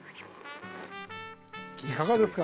いかがですか？